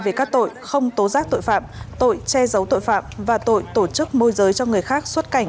về các tội không tố giác tội phạm tội che giấu tội phạm và tội tổ chức môi giới cho người khác xuất cảnh